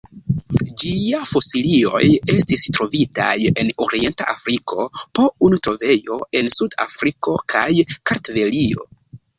Ĝia fosilioj estis trovitaj en orienta Afriko, po unu trovejo en Sud-Afriko kaj Kartvelio.